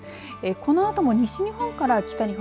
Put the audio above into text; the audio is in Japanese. このあとも西日本から北日本